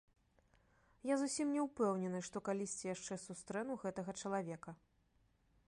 Я зусім не ўпэўнены, што калісьці яшчэ сустрэну гэтага чалавека.